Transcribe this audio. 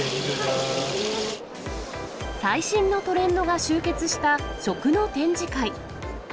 最新のトレンドが集結した食の展示会。